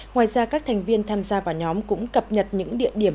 ngoài ra các thành viên tham gia vào nhóm cũng cập nhật những địa điểm